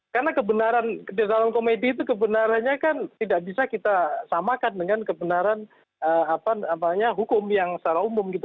karena kebenaran di dalam komedi itu kebenarannya kan tidak bisa kita samakan dengan kebenaran hukum yang secara umum gitu